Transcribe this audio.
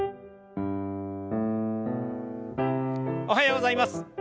おはようございます。